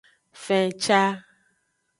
Fenca.